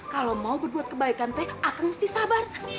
kalau mau berbuat kebaikan teh aku mesti sabar